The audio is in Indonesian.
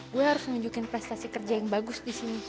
gue harus nunjukin prestasi kerja yang bagus disini